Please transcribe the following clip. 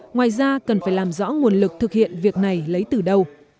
ngoài ra cần phải làm rõ nguồn lực thực hiện việc này lấy từ đâu